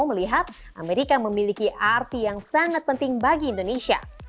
melihat amerika memiliki arti yang sangat penting bagi indonesia